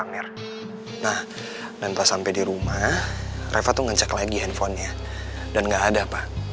nah dan pas sampai di rumah reva tuh ngecek lagi handphonenya dan nggak ada apa